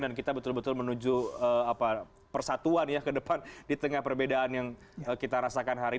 dan kita betul betul menuju persatuan ke depan di tengah perbedaan yang kita rasakan hari ini